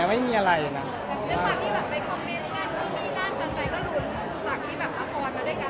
จากที่อาทอนมาด้วยกันแล้ว